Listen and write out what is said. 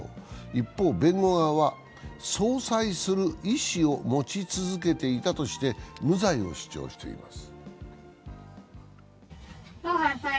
一方、弁護側は葬祭する意思を持ち続けていたとして無罪を主張しています。